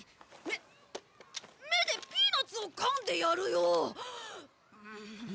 め目でピーナツをかんでやるよ！